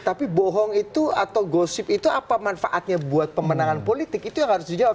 tapi bohong itu atau gosip itu apa manfaatnya buat pemenangan politik itu yang harus dijawab